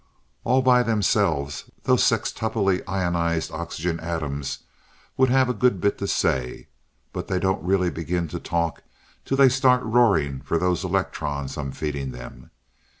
"All by themselves, those sextuply ionized oxygen atoms would have a good bit to say, but they don't really begin to talk till they start roaring for those electrons I'm feeding them.